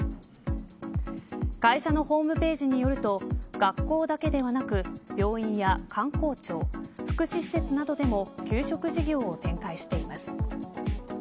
会社のホームページによると学校だけでなく病院や観光庁福祉施設などでも給食事業を展開しています。